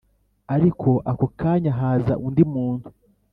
ariko ako kanya haza undi muntu